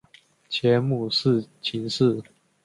前母秦氏。